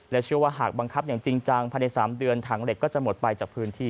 เชื่อว่าหากบังคับอย่างจริงจังภายใน๓เดือนถังเหล็กก็จะหมดไปจากพื้นที่